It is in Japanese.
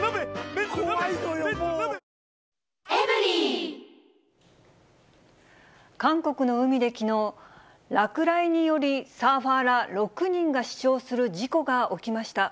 今なら補助金でお得韓国の海できのう、落雷により、サーファーら６人が死傷する事故が起きました。